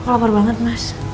kok lapar banget mas